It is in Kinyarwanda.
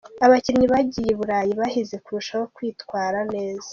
Abakinnyi bagiye i Burayi bahize kurushaho kwitwara neza.